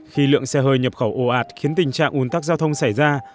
khi lượng xe hơi nhập khẩu ồ ạt khiến tình trạng ủn tắc giao thông xảy ra